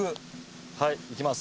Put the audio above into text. はいいきます。